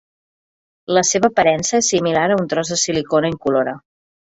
La seva aparença és similar a un tros de silicona incolora.